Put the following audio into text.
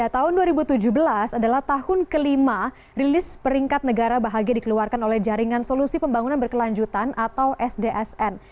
tahun dua ribu tujuh belas adalah tahun kelima rilis peringkat negara bahagia dikeluarkan oleh jaringan solusi pembangunan berkelanjutan atau sdsn